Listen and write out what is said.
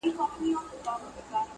په ځنګله کي به حلال یا غرغړه سم!